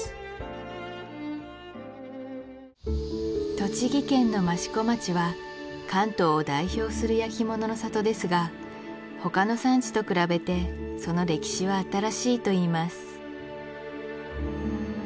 栃木県の益子町は関東を代表する焼き物の里ですが他の産地と比べてその歴史は新しいといいます